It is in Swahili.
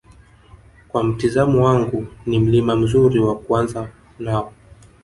kwa mtizamo wangu ni Mlima mzuri wa kuanza nao